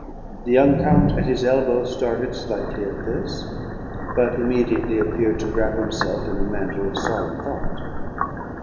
(The young count at his elbow started slightly at this, but immediately appeared to wrap himself in a mantle of solemn thought.)